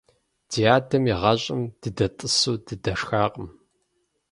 Ди адэм игъащӀэм дыдэтӀысу дыдэшхакъым.